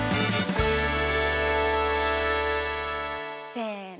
せの！